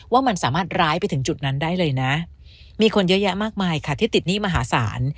ว่ามันสามารถร้ายไปถึงจุดนั้นได้เลยนะมีคนเยอะแยะมากมายค่ะที่ติดหนี้มหาศาล